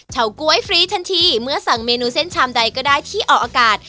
ก๊วยฟรีทันทีเมื่อสั่งเมนูเส้นชามใดก็ได้ที่ออกอากาศ